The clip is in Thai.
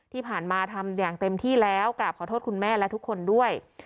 ที่ผ่านมาทำอย่างเต็มที่แล้วกราบขอโทษคุณแม่และทุกคนด้วย